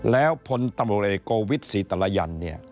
แล้วผลตำรวจโกวิด๔ตลายันต์